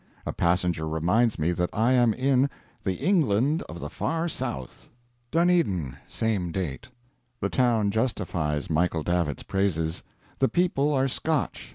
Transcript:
A passenger reminds me that I am in "the England of the Far South." Dunedin, same date. The town justifies Michael Davitt's praises. The people are Scotch.